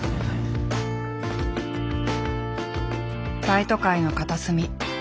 大都会の片隅。